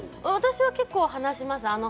私は結構話します。